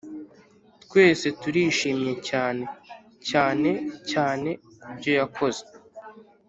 twese turishimye cyane, cyane cyane kubyo yakoze.